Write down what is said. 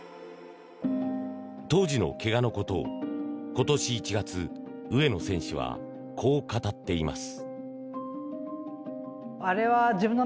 当時のけがのことを今年１月上野選手はこう語っています。